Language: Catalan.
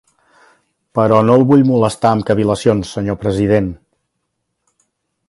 Però no el vull molestar amb cavil·lacions, senyor president.